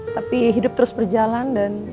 tapi hidup terus berjalan dan